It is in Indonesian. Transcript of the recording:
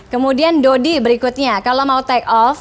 kemudian dodi berikutnya kalau mau take off